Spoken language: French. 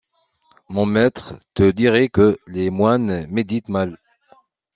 Mon maître te dirait que « Les moines méditent mal.